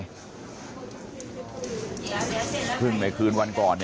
ลูกสาวหลายครั้งแล้วว่าไม่ได้คุยกับแจ๊บเลยลองฟังนะคะ